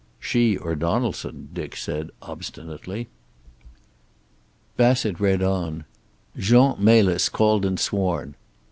"She or Donaldson," Dick said obstinately. Bassett read on: Jean Melis called and sworn.